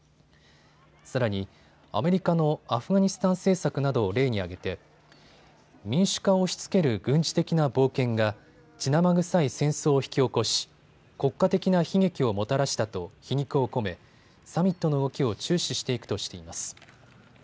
さらに、アメリカのアフガニスタン政策などを例に挙げて民主化を押しつける軍事的な冒険が血生臭い戦争を引き起こし、国家的な悲劇をもたらしたと皮肉を込め、サミットの動きを注視していくとしています。